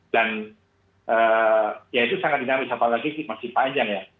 dan ya itu sangat dinamis apalagi masih panjang ya